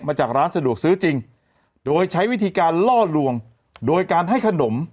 จากร้านสะดวกซื้อจริงโดยใช้วิธีการล่อลวงโดยการให้ขนม